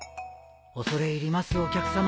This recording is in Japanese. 恐れ入りますお客さま